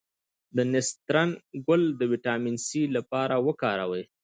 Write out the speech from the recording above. د نسترن ګل د ویټامین سي لپاره وکاروئ